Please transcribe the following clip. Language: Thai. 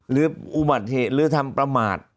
หรืออุบัติเหตุหรือทำประมาท